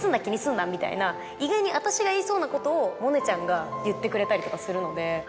意外に私が言いそうなことを萌音ちゃんが言ってくれたりとかするので。